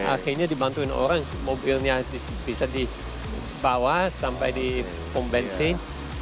akhirnya dibantuin orang mobilnya bisa dibawa sampai di pom bensin